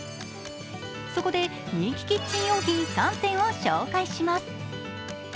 そこで、人気キッチン用品３点を紹介します。